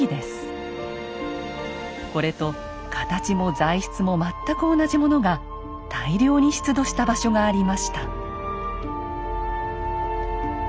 これと形も材質も全く同じものが大量に出土した場所がありました。